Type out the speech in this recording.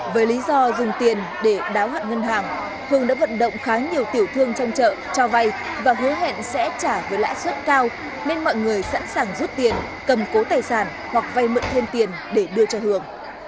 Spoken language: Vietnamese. với lý do dùng tiền để đáo hạn ngân hàng hường đã vận động khá nhiều tiểu thương trong chợ cho vay và hứa hẹn sẽ trả với lãi suất cao nên mọi người sẵn sàng rút tiền cầm cố tài sản hoặc vay mượn thêm tiền để đưa cho hường